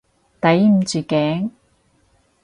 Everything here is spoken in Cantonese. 抵唔住頸？